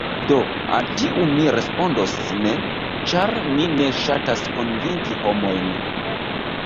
Do, al tiu mi respondos ‘ne’ ĉar mi ne ŝatas konvinki homojn